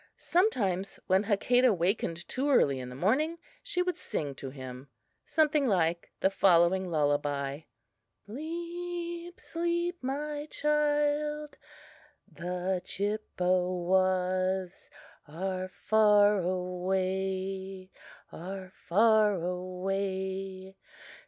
Sometimes, when Hakadah wakened too early in the morning, she would sing to him something like the following lullaby: Sleep, sleep, my boy, the Chippewas Are far away are far away.